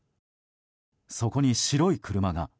そこに白い車が。